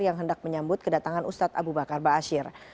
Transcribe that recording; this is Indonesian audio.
yang hendak menyambut kedatangan ustadz abu bakar bashir